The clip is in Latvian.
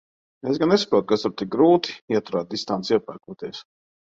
Es gan nesaprotu, kas tur tik grūti – ieturēt distanci iepērkoties.